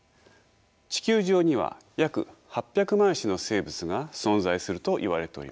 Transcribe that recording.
地球上には約８００万種の生物が存在するといわれております。